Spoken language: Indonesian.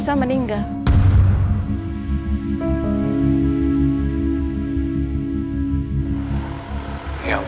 sampai jumpa lagi om